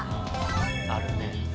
あるね。